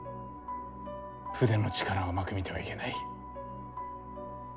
筆の力を甘く見てはいけない。